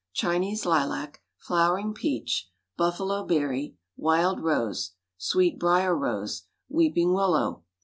Chinese lilac. Flowering peach. Buffalo berry. Wild rose. Sweet brier rose. Weeping willow.